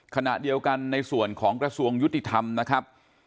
ขณะเดียวกันในส่วนของกระทรวงยุติธรรมนะครับ